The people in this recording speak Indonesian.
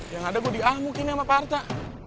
yang ada gue di almu kini sama pak arta